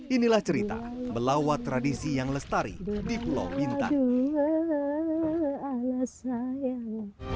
inilah cerita melawat tradisi yang lestari di pulau bintan